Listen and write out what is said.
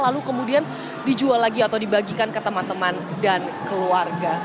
lalu kemudian dijual lagi atau dibagikan ke teman teman dan keluarga